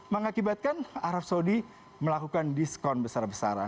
mengakibatkan arab saudi melakukan diskon besar besaran